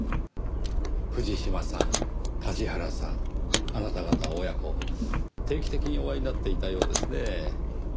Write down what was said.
藤島さん梶原さんあなた方親子定期的にお会いになっていたようですねぇ。